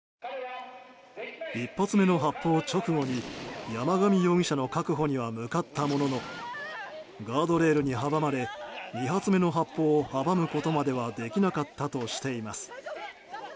１発目の発砲直後に山上容疑者の確保には向かったもののガードレールに阻まれ２発目の発砲を阻むことまではできなかったとしています。